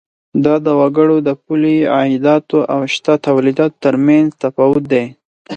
دا د وګړو د پولي عایداتو او شته تولیداتو تر مینځ تفاوت دی.